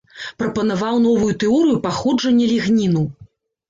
Прапанаваў новую тэорыю паходжання лігніну.